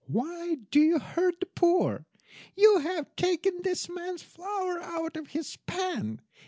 Why do you hurt the poor? You have taken this man's flour out of his pan.